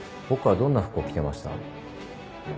僕はどんな服を着てました？